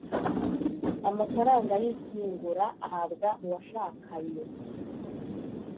amafaranga y ishyingura ahabwa uwashakanye